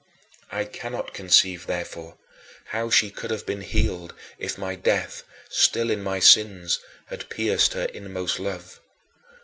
17. I cannot conceive, therefore, how she could have been healed if my death (still in my sins) had pierced her inmost love.